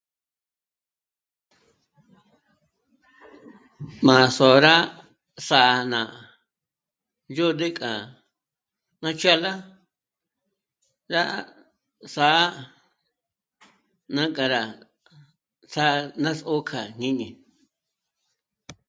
M'a sôra s'ǎ'na ndzódü k'a ná ch'ála rá s'ǎ'a ná k'a rá ts'á'a rá ts'ój k'a jñíni